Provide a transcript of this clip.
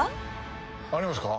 ありますか？